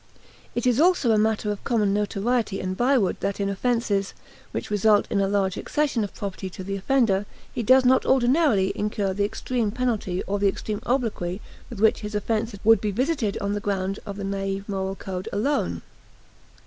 It is also a matter of common notoriety and byword that in offenses which result in a large accession of property to the offender he does not ordinarily incur the extreme penalty or the extreme obloquy with which his offenses would be visited on the ground of the naive moral code alone.